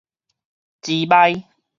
膣屄